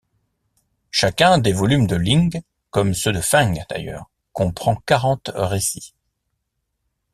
Chacun des volumes de Ling, comme ceux de Feng d'ailleurs, comprend quarante récits.